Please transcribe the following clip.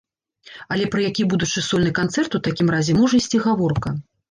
Але пра які будучы сольны канцэрт у такім разе можа ісці гаворка?